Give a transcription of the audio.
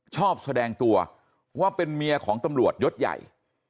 ชอบแสดงตัวว่าเป็นเมียของตำรวจยศใหญ่